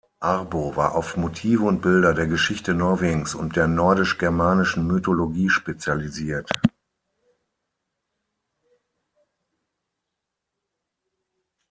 Arbo war auf Motive und Bilder der Geschichte Norwegens und der Nordisch-Germanischen Mythologie spezialisiert.